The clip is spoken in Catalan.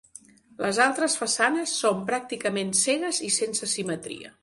Les altres façanes són pràcticament cegues i sense simetria.